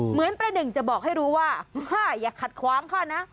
เหมือนประหนึ่งจะบอกให้รู้ว่าอย่าขัดขวางเขานะ